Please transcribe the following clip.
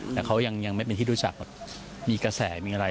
แต่เขายังไม่เป็นที่รู้จักแบบมีกระแสมีอะไร